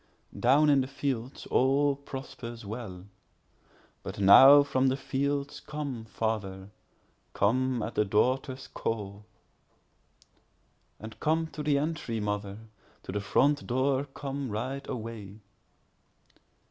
3Down in the fields all prospers well; But now from the fields come, father—come at the daughter's call; And come to the entry, mother—to the front door come, right away.